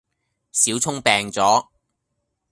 小聰病咗